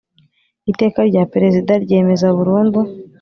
Iteka rya Perezida ryemeza burundu